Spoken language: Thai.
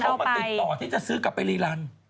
เขามาติดต่อที่จะซื้อกลับไปรีรัน